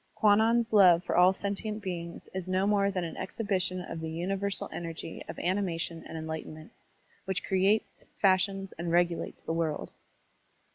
Kwannon's love for all sentient beings is no more than an exhibition of the universal energy of animation and enlightenment, which creates, fashions, and regulates the world.